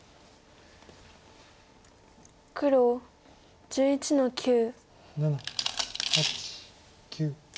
黒１１の九。